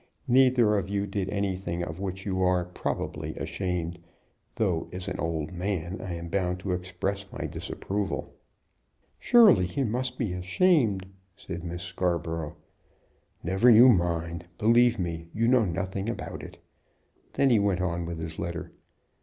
Neither of you did anything of which you are, probably, ashamed; though as an old man I am bound to express my disapproval." ("Surely he must be ashamed," said Miss Scarborough. "Never you mind. Believe me, you know nothing about it." Then he went on with his letter.)